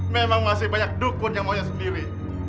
memang masih banyak dukun yang maunya sendiri